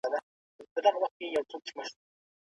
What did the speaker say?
د خراسان واکمنو د احمد شاه ابدالي تر مرګ وروسته څه وکړل؟